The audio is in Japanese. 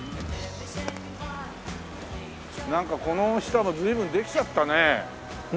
なんかこの下も随分できちゃったね。